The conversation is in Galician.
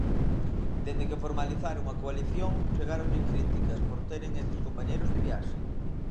Dende que formalizaron a coalición chegáronlles críticas por teren eses compañeiros de viaxe.